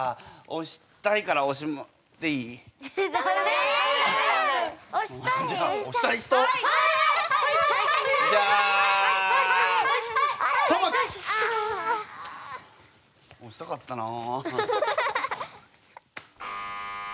おしたかったな。